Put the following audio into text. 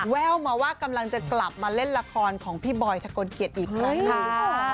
แววมาว่ากำลังจะกลับมาเล่นละครของพี่บอยทะกลเกียจอีกครั้งหนึ่ง